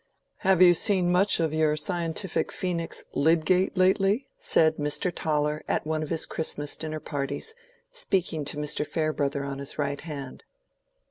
"Have you seen much of your scientific phoenix, Lydgate, lately?" said Mr. Toller at one of his Christmas dinner parties, speaking to Mr. Farebrother on his right hand.